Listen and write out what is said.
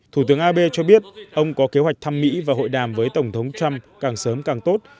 thủ tướng abe cho biết ông có kế hoạch thăm mỹ và hội đàm với tổng thống trump càng sớm càng tốt